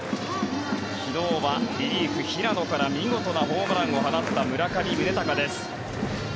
昨日はリリーフ、平野から見事なホームランを放った村上宗隆です。